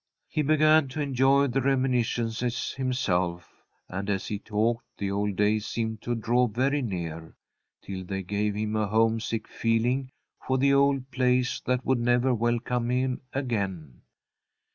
He began to enjoy the reminiscences himself, and as he talked, the old days seemed to draw very near, till they gave him a homesick feeling for the old place that would never welcome him again.